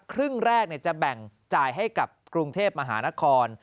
ครึ่งแรกจะแบ่งจ่ายให้กับกรุงเทพมหานคร